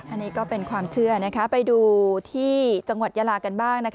อันนี้ก็เป็นความเชื่อไปดูที่จังหวัดยาลากันบ้าง